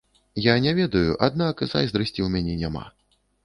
Я не ведаю, аднак зайздрасці ў мяне няма.